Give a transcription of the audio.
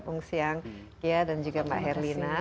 peng siang dan juga mbak herlina